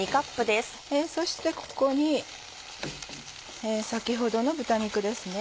そしてここに先ほどの豚肉ですね。